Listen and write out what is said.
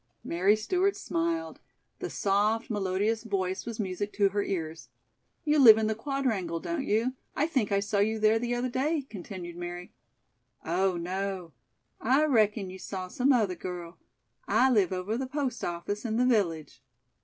Mary Stewart smiled. The soft, melodious voice was music to her ears. "You live in the Quadrangle, don't you? I think I saw you there the other day," continued Mary. "Oh, no, I reckon you saw some other girl. I live over the post office in the village."